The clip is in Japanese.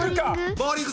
ボウリング。